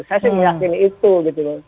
saya sih meyakini itu gitu loh